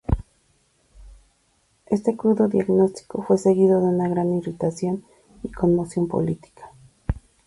Este crudo diagnóstico fue seguido de una gran irritación y conmoción política.